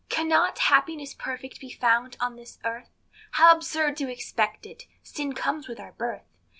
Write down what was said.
Cannot happiness perfect be found on this earth? How absurd to expect it sin comes with our birth.